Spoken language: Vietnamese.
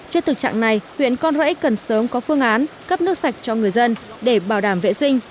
trước thực trạng này huyện con rẫy cần sớm có phương án cấp nước sạch cho người dân để bảo đảm vệ sinh